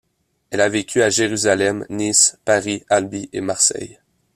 Elle a vécu à Jérusalem, Nice, Paris, Albi et Marseille.